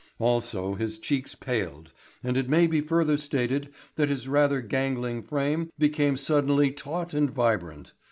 Also his cheeks paled, and it may be further stated that his rather gangling frame became suddenly taut and vibrant.